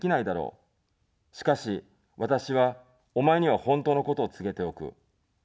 しかし、私は、お前には本当のことを告げておく。